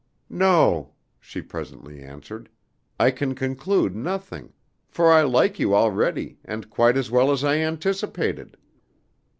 "No," she presently answered, "I can conclude nothing; for I like you already, and quite as well as I anticipated."